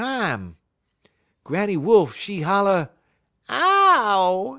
Granny Wolf, 'e holler: "'Ow!